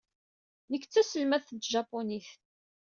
Nekk d taselmadt n tjapunit.